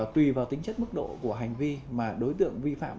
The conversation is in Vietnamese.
tùy vào tính chất mức độ của hành vi mà đối tượng vi phạm